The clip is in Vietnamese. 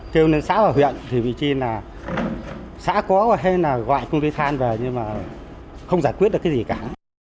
kêu đến xã và huyện thì bị chi là xã có hay là gọi công ty than về nhưng mà không giải quyết được cái gì cả